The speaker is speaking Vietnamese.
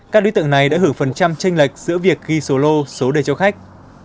các đối tượng này đã hưởng phần trăm tranh lệch giữa việc ghi số lô số đề cho khách